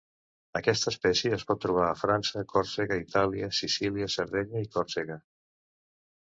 Aquesta espècie es pot trobar a França, Còrsega, Itàlia, Sicília, Sardenya i Còrsega.